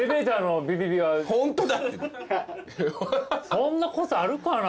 そんなことあるかな？